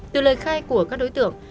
từ lời khai của các đối tượng